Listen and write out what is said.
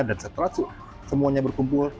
dan setelah semuanya berkumpul